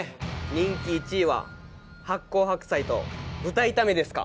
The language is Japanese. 人気１位は発酵白菜と豚炒めですか？